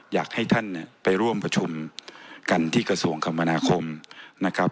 อยากให้ท่านเนี่ยไปร่วมประชุมกันที่กระทรวงคมนาคมนะครับ